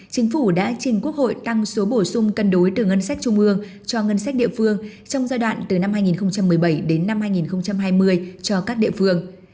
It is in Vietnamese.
chính phủ đã trình quốc hội tăng số bổ sung cân đối từ ngân sách trung ương cho ngân sách địa phương trong giai đoạn từ năm hai nghìn một mươi bảy đến năm hai nghìn hai mươi cho các địa phương